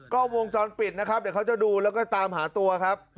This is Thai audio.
กล้องวงจรปิดนะครับเดี๋ยวเขาจะดูแล้วก็ตามหาตัวครับ